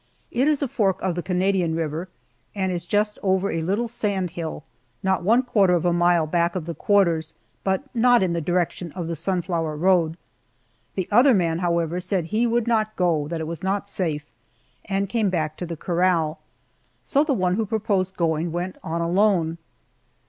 It is a fork of the Canadian River, and is just over a little sand hill, not one quarter of a mile back of the quarters, but not in the direction of the sunflower road. The other man, however, said he would not go that it was not safe and came back to the corral, so the one who proposed going went on alone.